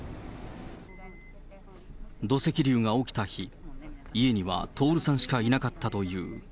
土石流が起きた日、家には徹さんしかいなかったという。